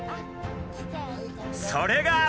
それが！